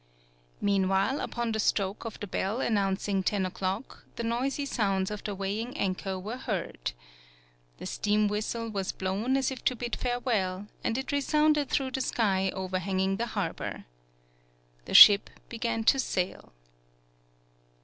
Meanwhile, upon the stroke of the bell announcing ten o'clock, the noisy sounds of the weighing anchor were heard. The steam whistle was blown as if to bid farewell, and it resounded through the sky overhanging the har bor. The ship began to sail.